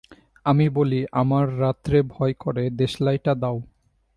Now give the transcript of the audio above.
আমি বলি আমার রাত্রে ভয় করে, দেশলাইটা দাও।